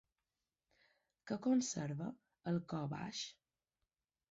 Què conserva El cor baix?